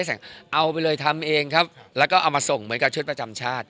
เอาไปเลยทำเองครับแล้วก็เอามาส่งเหมือนกับชุดประจำชาติ